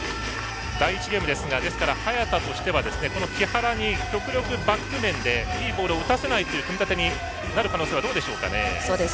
第１ゲームですが早田としては木原に極力、バック面でいいボールを打たせないという組み立てになる可能性はどうでしょうか？